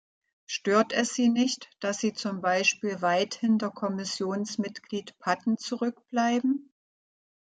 Stört es Sie nicht, dass Sie zum Beispiel weit hinter Kommissionsmitglied Patten zurückbleiben?